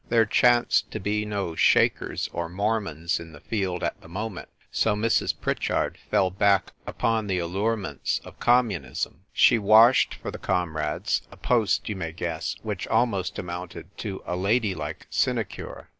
There chanced to be no Shakers or Mormons in the field at the moment, so Mrs. Pritchard fell back upon the allurements of Communism. She washed for the comrades, a post, you may guess, which almost amounted to a lady like sinecure.